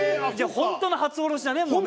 本当の初おろし。